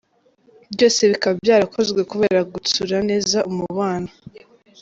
Byose bikaba byarakozwe kubera gutsura neza umubano.